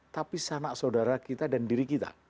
tapi sanak saudara kita dan diri kita